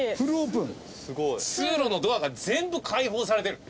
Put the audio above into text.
通路のドアが全部開放されてる。